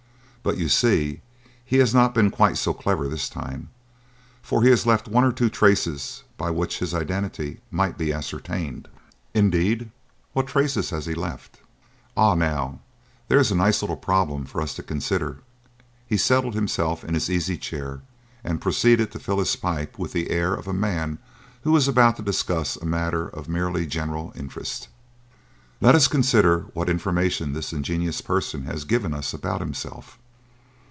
But, you see, he has not been quite so clever this time, for he has left one or two traces by which his identity might be ascertained." "Indeed! What traces has he left?" "Ah! now there is a nice little problem for us to consider." He settled himself in his easy chair and proceeded to fill his pipe with the air of a man who is about to discuss a matter of merely general interest. "Let us consider what information this ingenious person has given us about himself.